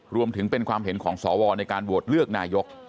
รวมถึงเป็นความเห็นของสวในการโหวตเลือกนายก